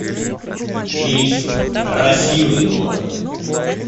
Бийск — красивый город